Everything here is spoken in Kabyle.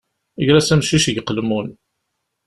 Iger-as amcic deg uqelmun.